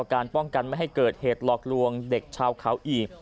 การป้องกันไม่ให้เกิดเหตุหลอกลวงเด็กชาวเขาอีก